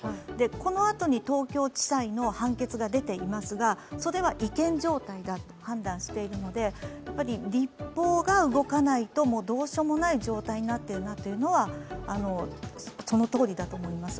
このあとに東京地裁の判決が出ていますが、それは違憲状態だと判断しているので、立法が動かないとどうしようもない状態になってるのはそのとおりだと思います。